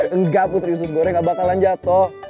enggak putri usus goreng gak bakalan jatuh